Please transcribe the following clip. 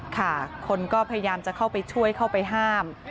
ค่ะคนก็พยายามจะเข้าไปช่วยเข้าไปห้าม